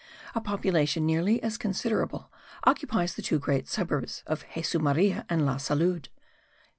A population nearly as considerable occupies the two great suburbs of Jesu Maria and La Salud.